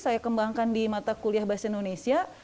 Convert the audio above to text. saya kembangkan di mata kuliah bahasa indonesia